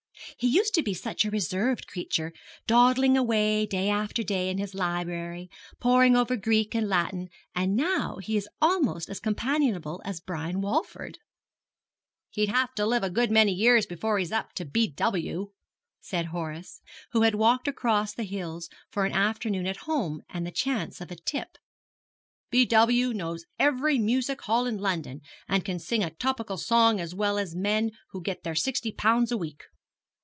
'He used to be such a reserved creature, dawdling away day after day in his library, poring over Greek and Latin, and now he is almost as companionable as Brian Walford.' 'He'll have to live a good many years before he's up to B. W.,' said Horace, who had walked across the hills for an afternoon at home and the chance of a tip, 'B. W. knows every music hall in London, and can sing a topical song as well as men who get their sixty pounds a week.'